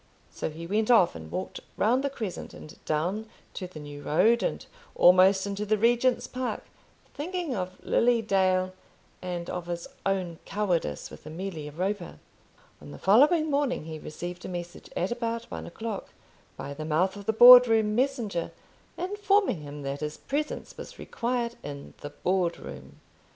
So he went off, and walked round the Crescent, and down to the New Road, and almost into the Regent's Park, thinking of Lily Dale and of his own cowardice with Amelia Roper. On the following morning he received a message, at about one o'clock, by the mouth of the Board room messenger, informing him that his presence was required in the Board room.